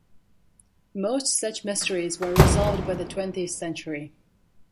Most such mysteries were resolved by the twentieth century.